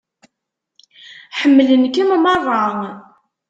Ḥemmlen-kem meṛṛa.